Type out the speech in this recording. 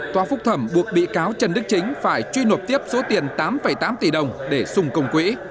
tòa phúc thẩm buộc bị cáo trần đức chính phải truy nộp tiếp số tiền tám tám tỷ đồng để xung công quỹ